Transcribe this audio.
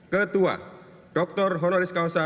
ketua dr honoris causa